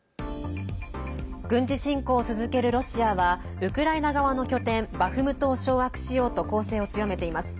軍事侵攻を続けるロシアはウクライナ側の拠点バフムトを掌握しようと攻勢を強めています。